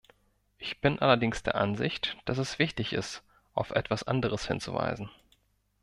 Ich bin allerdings der Ansicht, dass es wichtig ist, auf etwas anderes hinzuweisen.